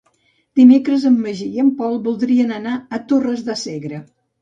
Dimecres en Magí i en Pol voldrien anar a Torres de Segre.